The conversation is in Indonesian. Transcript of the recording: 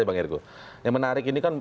bang ergo yang menarik ini kan